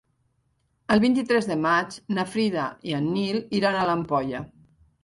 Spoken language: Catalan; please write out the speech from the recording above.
El vint-i-tres de maig na Frida i en Nil iran a l'Ampolla.